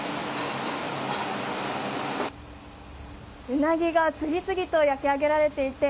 ウナギが次々と焼き上げられていて